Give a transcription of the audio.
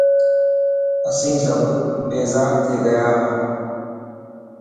اسين سب بيزار ٿي گيا هان.